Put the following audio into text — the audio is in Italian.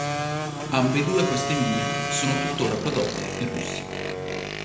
Ambedue queste mine sono tuttora prodotte in Russia.